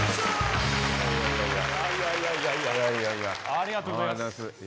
ありがとうございます。